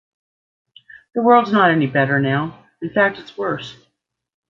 The world's not any better now - in fact, it's worse.